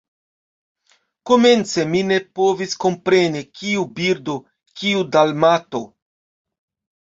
Komence mi ne povis kompreni, kiu birdo, kiu Dalmato?